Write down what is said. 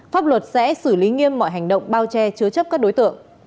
pháp luật sẽ xử lý nghiêm mọi hành động bao che chứa chấp các đối tượng